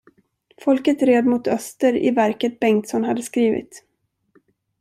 Folket red mot öster i verket Bengtsson hade skrivit.